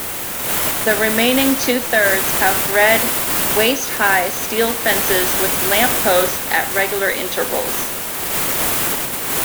The remaining two-thirds have red, waist-high steel fences with lampposts at regular intervals.